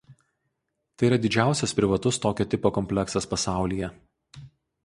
Tai yra didžiausias privatus tokio tipo kompleksas pasaulyje.